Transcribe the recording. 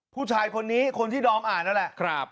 ผู้ชายคนนี้คนที่ดอมอ่านนั่นแหละ